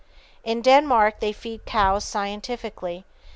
In Denmark they feed cows scientifically.